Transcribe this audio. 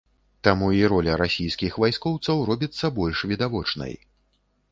Таму і роля расійскіх вайскоўцаў робіцца больш відавочнай.